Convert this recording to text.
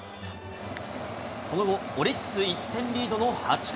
その後、オリックス１点リードの８回。